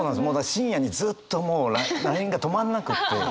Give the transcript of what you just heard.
深夜にずっともうＬＩＮＥが止まんなくって。